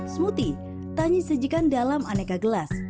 smoothie tanya sajikan dalam aneka gelas